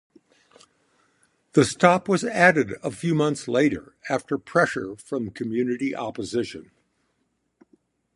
The stop was added a few months later after pressure from community opposition.